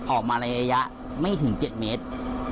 ออกมาระยะไม่ถึง๗เมตร